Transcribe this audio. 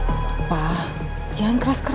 apa yang kamu lakukan